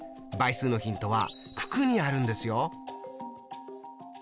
倍数のヒントは九九にあるんですよ。